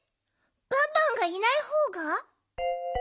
バンバンがいないほうが。